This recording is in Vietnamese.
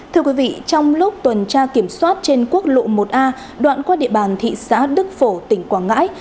thưa quý vị trong lúc tuần tra kiểm soát trên quốc lộ một a đoạn qua địa bàn thị xã đức phổ tỉnh quảng ngãi